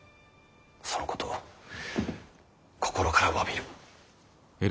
そのことを心からわびる。